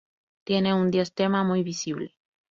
Tiene un diastema muy visible.